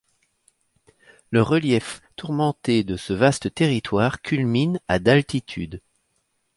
Le relief tourmenté de ce vaste territoire culmine à d'altitude.